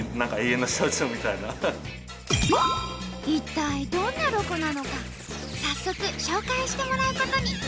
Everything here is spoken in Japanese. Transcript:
一体どんなロコなのか早速紹介してもらうことに。